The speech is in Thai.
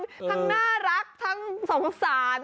ทั้งน่ารักทั้งสงสาร